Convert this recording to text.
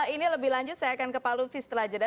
ini lebih lanjut saya akan ke palu fis terlajeda